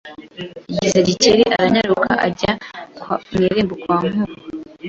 igeze Gikeli aranyaruka ajya mu irembo kwa Nkuba